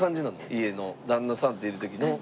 家の旦那さんといる時の。